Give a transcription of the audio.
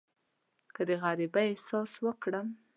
که د غریبۍ احساس وکړم.